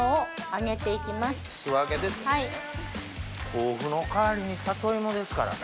豆腐の代わりに里芋ですからね。